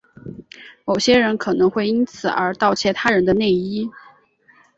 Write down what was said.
某些人可能会因此而窃盗他人的内衣。